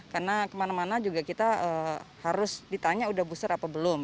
karena kemana mana juga kita harus ditanya udah booster apa belum